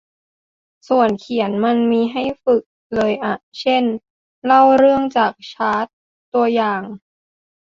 ส่วนเขียนมันมีให้ฝึกเลยอ่ะ เช่น เล่าเรื่องจากชาร์ต ตัวอย่าง